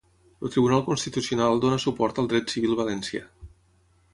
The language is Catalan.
El Tribunal Constitucional dona suport al dret civil valencià.